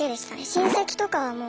親戚とかはもう。